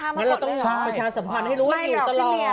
คุณแม่เราต้องมีเองผิดโรคประชาสัมพันธ์ให้รู้ว่าอยู่ตลอด